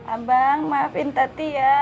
abang maafin tati ya